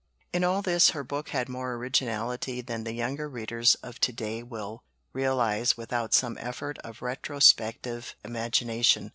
In all this her book had more originality than the younger readers of to day will realize without some effort of retrospective imagination.